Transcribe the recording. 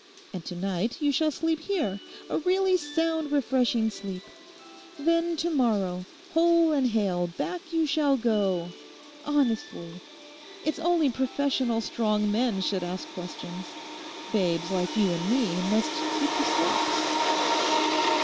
And to night you shall sleep here—a really sound, refreshing sleep. Then to morrow, whole and hale, back you shall go; honestly. It's only professional strong men should ask questions. Babes like you and me must keep to slops.